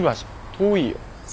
遠いよ。